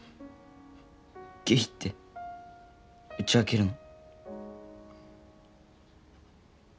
ゲイって打ち明けるの。